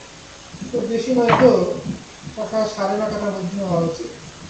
খুব বেশি হয় তো ন-টাকা সাড়ে ন-টাকার মধ্যেই হওয়া উচিত।